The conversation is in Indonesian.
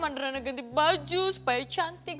mandir mandir ganti baju supaya cantik